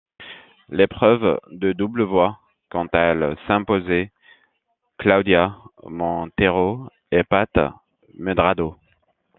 L'épreuve de double voit quant à elle s'imposer Cláudia Monteiro et Pat Medrado.